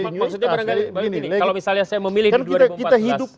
maksudnya barangkali kalau misalnya saya memilih di dua ribu empat belas